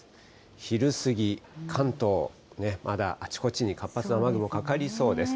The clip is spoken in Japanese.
昼過ぎ、関東、まだあちこちに活発な雨雲、かかりそうです。